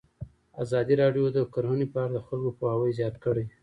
ازادي راډیو د کرهنه په اړه د خلکو پوهاوی زیات کړی.